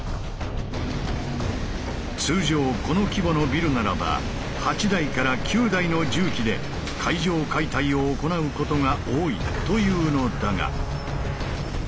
通常この規模のビルならば８台から９台の重機で階上解体を行うことが多いというのだが。